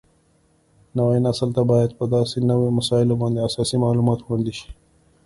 نوي نسل ته باید په داسې نوو مسایلو باندې اساسي معلومات وړاندې شي